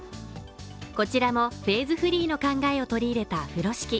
こちらもフェーズフリーの考えを取り入れた風呂敷